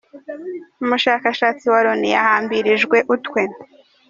Umushakashatsi wa Loni yahambirijwe utwe